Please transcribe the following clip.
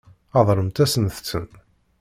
Ṛeḍlemt-asent-ten.